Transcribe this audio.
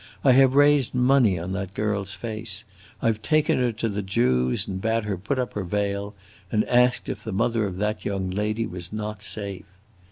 I have raised money on that girl's face! I 've taken her to the Jews and bade her put up her veil, and asked if the mother of that young lady was not safe!